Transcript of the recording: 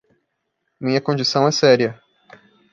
Minha condição é séria.